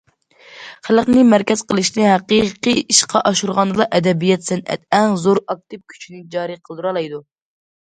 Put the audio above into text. خەلقنى مەركەز قىلىشنى ھەقىقىي ئىشقا ئاشۇرغاندىلا، ئەدەبىيات- سەنئەت ئەڭ زور ئاكتىپ كۈچىنى جارى قىلدۇرالايدۇ.